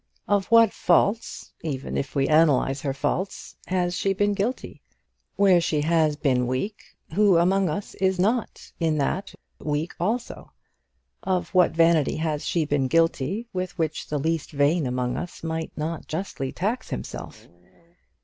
Of what faults, even if we analyse her faults, has she been guilty? Where she has been weak, who among us is not, in that, weak also? Of what vanity has she been guilty with which the least vain among us might not justly tax himself?